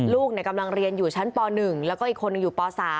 ลูกกำลังเรียนอยู่ชั้นป๑แล้วก็อีกคนหนึ่งอยู่ป๓